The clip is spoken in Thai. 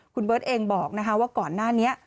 คุณเบิร์ตเองบอกว่าก่อนหน้านี้